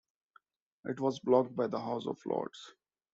It was blocked by the House of Lords.